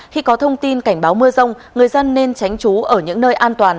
khi có thông tin cảnh báo mưa rông người dân nên tránh trú ở những nơi an toàn